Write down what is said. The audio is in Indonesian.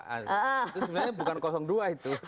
itu sebenarnya bukan dua itu